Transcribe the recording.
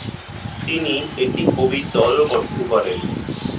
তিনি একটি কবির দলও গঠন করেন।